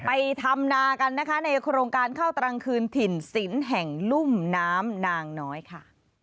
ไปทำนากันนะคะในโครงการข้าวตรังคืนถิ่นศิลป์แห่งลุ่มน้ำนางน้อยค่ะ